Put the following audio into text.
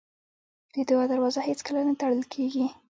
د دعا دروازه هېڅکله نه تړل کېږي.